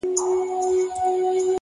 مثبت فکر د ارام ذهن سرچینه ده.